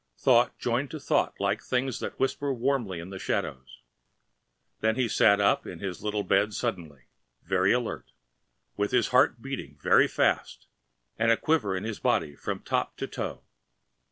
Thought joined on to thought like things that whisper warmly in the shadows. Then he sat up in his little bed suddenly, very alert, with his heart beating very fast and a quiver in his body from top to toe.